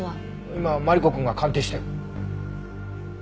今マリコくんが鑑定してる。